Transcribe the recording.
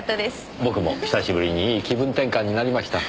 僕も久しぶりにいい気分転換になりました。